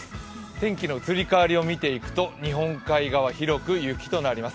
天気の移り変わりを見ていくと日本海側、広く雪となります。